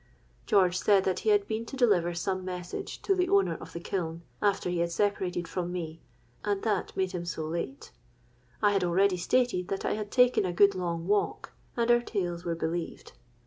George said that he had been to deliver some message to the owner of the kiln, after he had separated from me; and that made him so late. I had already stated that I had taken a good long walk, and our tales were believed.